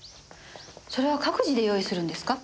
それは各自で用意するんですか？